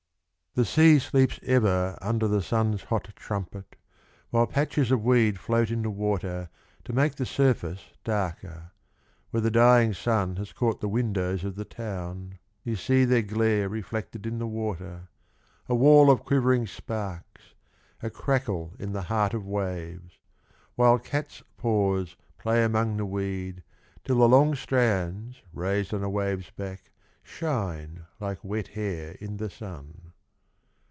49 Whit sun. The sea sleeps ever Under the Sun's hot trumpet, While patches of weed float in the water To make the surface darker — Where the dying Sun Has caught the windows of the town You see their glare reflected in the water A whorl of quivering sparks A crackle in the heart of waves — While catspaws play among the weed Till the long strands raised on a wave's back Shine like wet hair in the Sun.